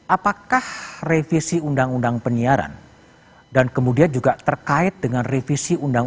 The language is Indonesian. apakah revisi undang undang penyiaran dan kemudian juga terkait dengan revisi undang undang